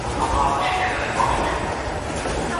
کله ورور کله مو زوی راته تربوری دی